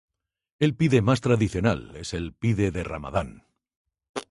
El pide más tradicional es el pide de ramadán.